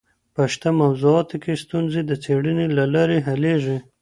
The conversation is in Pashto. په شته موضوعاتو کي ستونزي د څېړني له لاري حلېږي.